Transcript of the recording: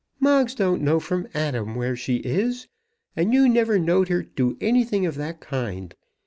"Moggs don't know from Adam where she is; and you never knowed her do anything of that kind.